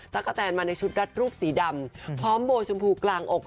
กะแตนมาในชุดรัดรูปสีดำพร้อมโบชมพูกลางอก